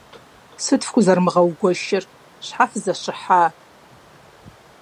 - Сыт фхузэрымыгъэгуэшыр? Щхьэ фызэщыхьа?